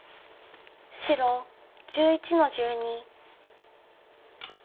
白１１の十二。